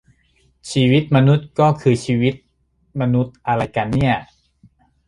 ชีวิตมนุษย์ก็คือชีวิตมนุษย์อะไรกันเนี่ย ?